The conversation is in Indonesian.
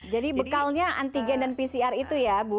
jadi bekalnya antigen dan pcr itu ya bu